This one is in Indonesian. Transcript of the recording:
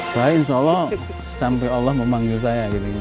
saya insya allah sampai allah memanggil saya